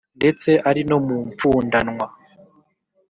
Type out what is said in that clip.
ndetse ari no mu mfundanwa